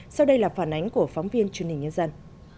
sau đây là phản ánh của phóng viên truyền hình nhân dân